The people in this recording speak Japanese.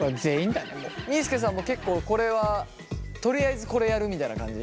みーすけさんも結構これはとりあえずこれやるみたいな感じ？